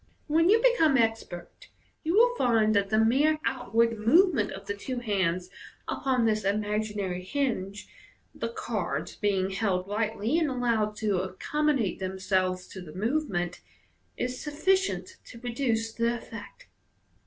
When you become expert, you will find that the mere outward movement of the two hands upon this imaginary hinge (the cards being held lightly, and allowed to accommodate themselves to the movement) is sufficient to produce the effect.